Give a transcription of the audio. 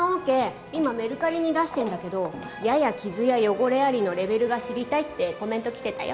今メルカリに出してるんだけど「やや傷や汚れあり」のレベルが知りたいってコメント来てたよ。